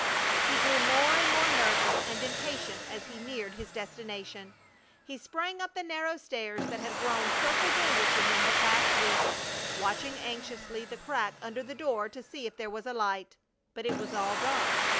He grew more and more nervous and impatient as he neared his destination. He sprang up the narrow stairs that had grown so familiar to him the past week, watching anxiously the crack under the door to see if there was a light. But it was all dark!